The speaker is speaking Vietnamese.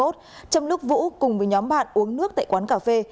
trong lúc vũ cùng với nhóm bạn uống nước tại quán cà phê